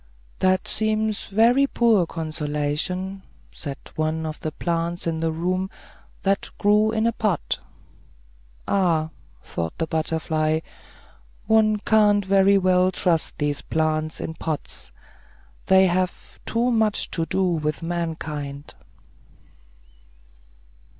"That seems very poor consolation," said one of the plants in the room, that grew in a pot. "Ah," thought the butterfly, "one can't very well trust these plants in pots; they have too much to do with mankind."